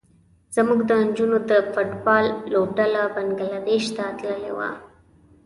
زموږ د نجونو د فټ بال لوبډله بنګلادیش ته تللې وه.